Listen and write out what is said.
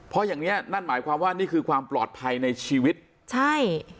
เพราะอย่างเนี้ยนั่นหมายความว่านี่คือความปลอดภัยในชีวิตใช่